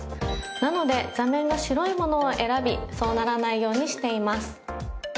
なので座面が白いものを選びそうならないようにしています。